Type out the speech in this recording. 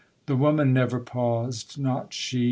The woman never paused, not she